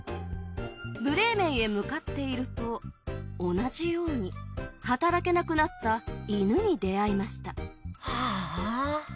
ブレーメンへ向かっていると同じように働けなくなった犬に出会いましたハアー。